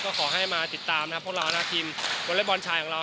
ก็ขอให้มาติดตามนะครับพวกเรานะทีมวอเล็กบอลชายของเรา